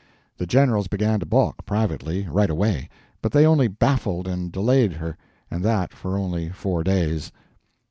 The generals began to balk, privately, right away, but they only baffled and delayed her, and that for only four days.